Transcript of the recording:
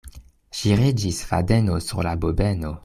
Ŝiriĝis fadeno sur la bobeno.